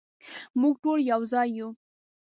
مونږ ټول یو ځای یو